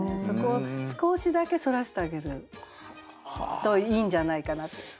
そこを少しだけそらしてあげるといいんじゃないかなって。